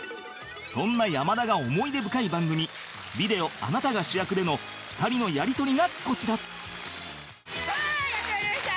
そんな山田が思い出深い番組『ビデオあなたが主役』での２人のやり取りがこちらさあやって参りました